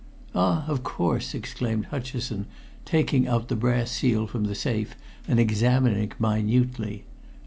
"Ah! of course," exclaimed Hutcheson, taking out the brass seal from the safe and examining it minutely.